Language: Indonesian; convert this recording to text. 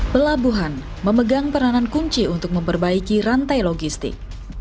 pelabuhan memegang peranan kunci untuk memperbaiki rantai logistik